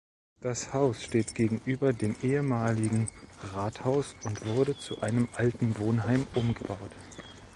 Das Haus steht gegenüber dem ehemaligen Rathaus und wurde zu einem Altenwohnheim umgebaut.